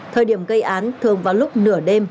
thời điểm gây án thường vào lúc nửa đêm